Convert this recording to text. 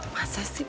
masa sih pa